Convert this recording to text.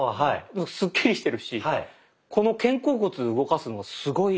スッキリしてるしこの肩甲骨動かすのすごいいいですね。